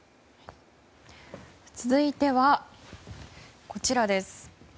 続いてはこちらです。